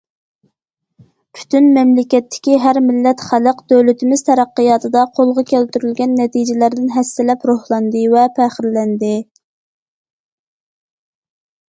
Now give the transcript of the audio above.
پۈتۈن مەملىكەتتىكى ھەر مىللەت خەلق دۆلىتىمىز تەرەققىياتىدا قولغا كەلتۈرۈلگەن نەتىجىلەردىن ھەسسىلەپ روھلاندى ۋە پەخىرلەندى.